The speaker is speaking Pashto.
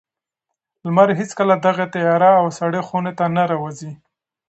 لمر هېڅکله دغې تیاره او سړې خونې ته نه راوځي.